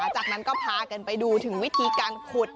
จากนั้นก็พากันไปดูถึงวิธีการขุด